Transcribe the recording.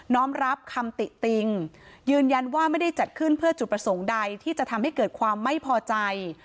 ้อมรับคำติติงยืนยันว่าไม่ได้จัดขึ้นเพื่อจุดประสงค์ใดที่จะทำให้เกิดความไม่พอใจ